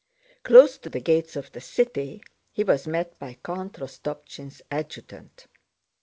Close to the gates of the city he was met by Count Rostopchín's adjutant.